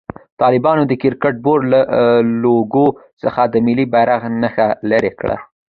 طالبانو د کرکټ بورډ له لوګو څخه د ملي بيرغ نښه لېري کړه.